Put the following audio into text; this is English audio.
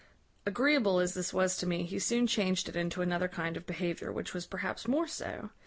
"Agreeable as this was to me, he soon changed it into another kind of behaviour, which was perhaps more so.